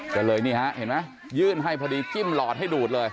ก็เลยนี่ฮะเห็นไหมยื่นให้พอดีจิ้มหลอดให้ดูดเลย